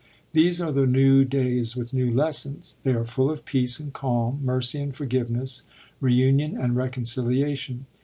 These are the new days, with new lessons. They are full of peace and calm, mercy and forgiveness, reunion and reconciliation.